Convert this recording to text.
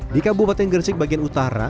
di kabupaten gresik bagian utara